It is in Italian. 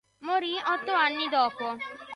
Morì otto anni dopo.